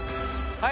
はい。